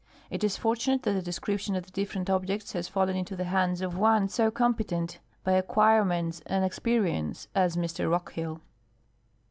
It is fortunate that the description of the different objects has fallen into the hands of one so competent by acquirements and experience as Mr Rockhill.